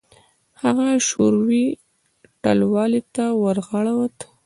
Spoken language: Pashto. هغه شوروي ټلوالې ته ورغاړه وت.